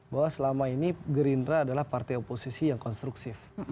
bahwa selama ini kerindra adalah partai oposisi yang konstruksif